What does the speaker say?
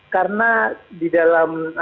karena di dalam